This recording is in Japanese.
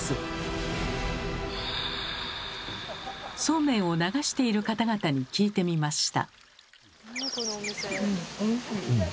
そうめんを流している方々に聞いてみました。